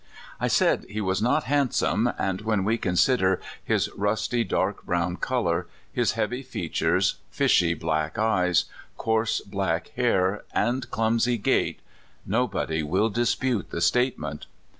I said he was not handsome, and when we consider his rusty, dark brown color, his heavy features, fishy black eyes, coarse, black hair, and clumsy gait, nobody will dispute the statement.